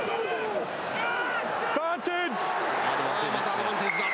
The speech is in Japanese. アドバンテージだ。